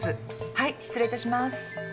はい失礼いたします。